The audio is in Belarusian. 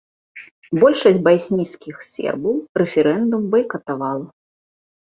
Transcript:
Большасць баснійскіх сербаў рэферэндум байкатавала.